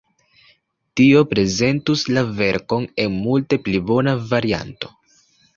Tio prezentus la verkon en multe pli bona varianto.